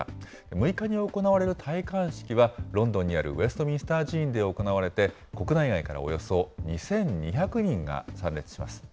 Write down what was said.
６日に行われる戴冠式は、ロンドンにあるウェストミンスター寺院で行われて、国内外からおよそ２２００人が参列します。